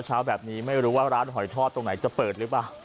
เช้าแบบนี้ไม่รู้ว่าร้านหอยทอดตรงไหนจะเปิดหรือเปล่า